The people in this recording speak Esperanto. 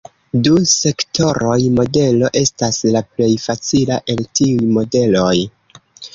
Du-sektoroj-modelo estas la plej facila el tiuj modeloj.